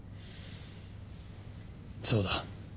そうだ。